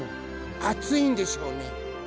あついんでしょうね。